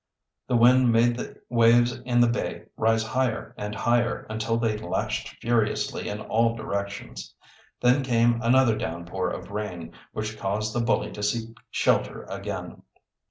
The wind made the waves in the bay rise higher and higher until they lashed furiously in all directions. Then came another downpour of rain, which caused the bully to seek shelter again.